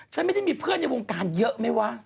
ฉันไม่ได้มีเพื่อนในวงการเยอะไหมวะ